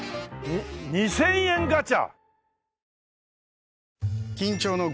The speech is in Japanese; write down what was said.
「２０００円ガチャ」